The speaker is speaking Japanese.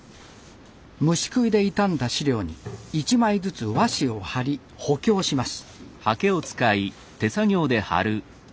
虫食いで傷んだ史料に１枚ずつ和紙を貼り補強します。